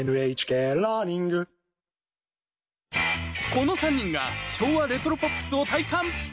この３人が昭和レトロポップスを体感。